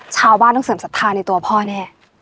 ชาวบ้านต้องเสริมศรัทธาในตัวพ่อแน่